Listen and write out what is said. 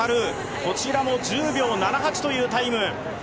こちらも１０秒７８というタイム。